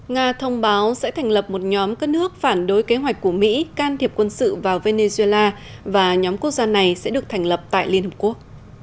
nga thông báo sẽ thành lập một nhóm cân hước phản đối kế hoạch của mỹ can thiệp quân sự vào venezuela và nhóm quốc gia này sẽ được thành lập tại liên hợp quốc